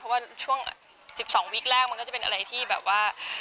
เพราะว่าช่วง๑๒วิกแรกมันก็จะเป็นอะไรที่แบบว่า